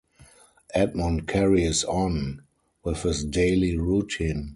Edmond carries on with his daily routine.